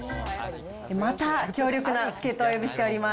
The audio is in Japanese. また強力な助っ人をお呼びしております。